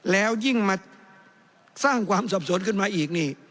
แล้วยิ่งมาสร้างความสอบสวนขึ้นมาอีกนี่